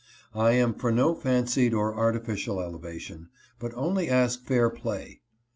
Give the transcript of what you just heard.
I am for no fancied or artificial elevation, but only ask fair play.